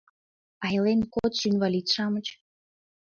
А илен кодшо инвалид-шамыч?